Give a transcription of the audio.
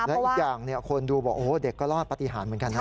และอีกอย่างคนดูบอกเด็กก็รอดปฏิหารเหมือนกันนะ